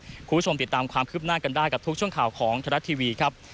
คุณผู้ชมติดตามความคืบหน้ากันได้กับทุกช่วงข่าวของทรัฐทีวีครับ